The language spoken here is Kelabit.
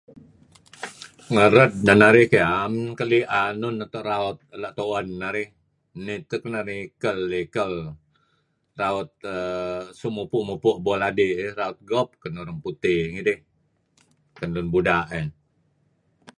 Ngered neh narih keh am keli enun neto raut la' tu'en narih. Nih tun teh narih ikel-ikel raut err suk mupu' -mupu' bol adi' eh raut Golf ken urang putih ngidih ken lun buda' eh.